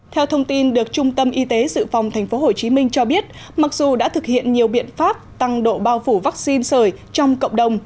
theo thông tin được trung tâm y tế dự phòng tp hcm cho biết mặc dù đã thực hiện nhiều biện pháp tăng độ bao phủ vaccine sởi trong cộng đồng